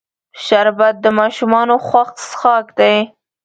شربت د ماشومانو خوښ څښاک دی